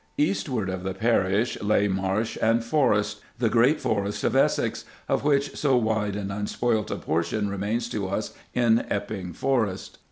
Eastward of the parish lay marsh and forest the great forest of Essex, of which so wide and unspoilt a portion remains to us in Epping Forest.